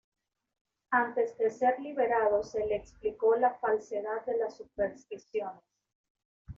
Antes de ser liberado, se le explicó la falsedad de las supersticiones.